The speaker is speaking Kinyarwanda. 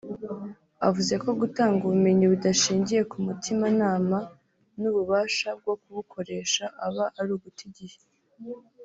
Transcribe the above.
Avuze ko gutanga ubumenyi budashingiye ku mutimanama n’ububasha bwo kubukoresha aba ari uguta igihe